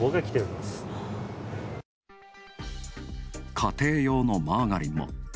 家庭用のマーガリンも。